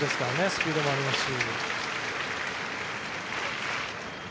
スピードもありますし。